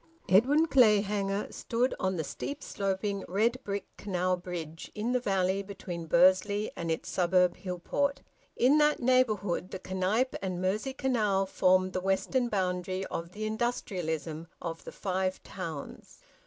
Edwin Clayhanger stood on the steep sloping, red bricked canal bridge, in the valley between Bursley and its suburb Hillport. In that neighbourhood the Knype and Mersey canal formed the western boundary of the industrialism of the Five Towns.